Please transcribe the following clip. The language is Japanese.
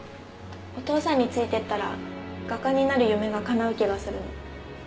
お父さんについて行ったら画家になる夢が叶う気がするの。